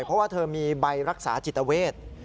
เพราะว่าเธอมีใบรักษาจิตเวท